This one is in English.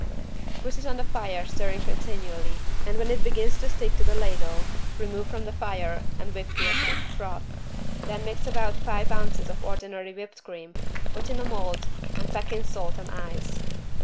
Put it on the fire stirring continually and when it begins to stick to the ladle remove from the fire and whip to a stiff froth. Then mix about five ounces of ordinary whipped cream, put in a mold and pack in salt and ice.